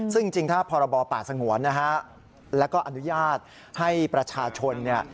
ซึ่งจริงถ้าพรบป่าสงวนนะฮะแล้วก็อนุญาตให้ประชาชนเนี่ย